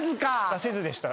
出せずでした。